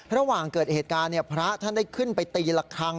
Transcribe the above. ระหว่างเกิดเหตุการณ์พระท่านได้ขึ้นไปตีละครั้ง